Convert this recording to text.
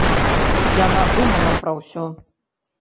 Яна думала пра ўсё.